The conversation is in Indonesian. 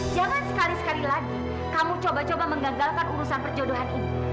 jangan sekali sekali lagi kamu coba coba menggagalkan urusan perjodohan ini